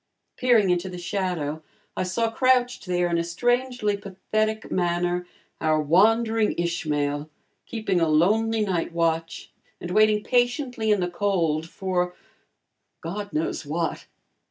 Peering into the shadow, I saw crouched there in a strangely pathetic manner, our wandering Ishmael, keeping a lonely night watch and waiting patiently in the cold for God knows what.